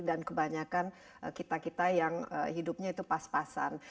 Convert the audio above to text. dan kebanyakan kita kita yang hidupnya itu pas pasan